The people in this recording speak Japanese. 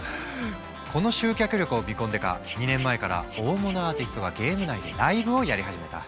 この集客力を見込んでか２年前から大物アーティストがゲーム内でライブをやり始めた。